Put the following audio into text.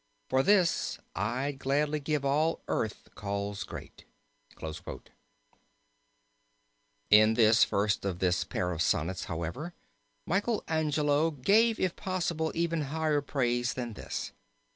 For this I'd gladly give all earth calls great. In the first of this pair of sonnets, however, Michael Angelo gave if possible even higher praise than this.